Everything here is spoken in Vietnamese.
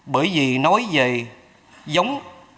bởi vì nói về giống